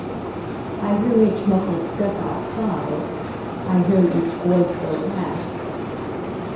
I hear each muffled step outside,I hear each voice go past.